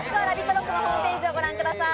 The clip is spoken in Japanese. ＲＯＣＫのホームページをご覧ください。